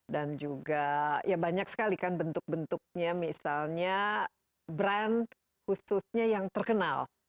dan juga ya banyak sekali kan bentuk bentuknya misalnya brand khususnya yang terkenal